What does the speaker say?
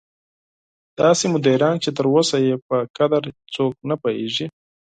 داسې مدیران چې تر اوسه یې په قدر څوک نه پوهېږي.